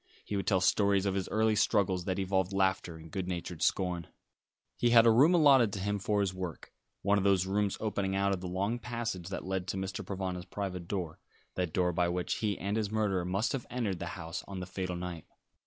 He would tell stories of his early struggles that evolved laughter and good natured scorn. He had a room allotted to him for his work, one of those rooms opening out of the long passage that led to Mr. Provana's private door, that door by which he and his murderer must have entered the house on the fatal night.